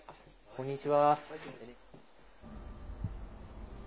こんにちは。